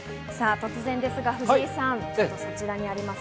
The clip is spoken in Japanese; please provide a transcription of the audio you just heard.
突然ですが藤井さん、そちらにあります